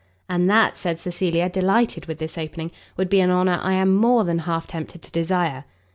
"And that," said Cecilia, delighted with this opening, "would be an honour I am more than half tempted to desire."